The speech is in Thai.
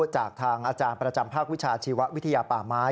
จากทางอาจารย์ประจำภาควิชาชีววิทยาป่าไม้